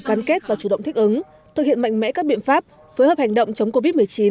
gắn kết và chủ động thích ứng thực hiện mạnh mẽ các biện pháp phối hợp hành động chống covid một mươi chín